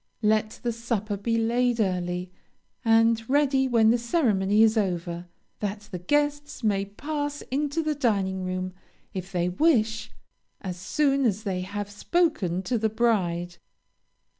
Let the supper be laid early, and ready when the ceremony is over, that the guests may pass into the dining room, if they wish, as soon as they have spoken to the bride.